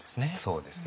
そうですね。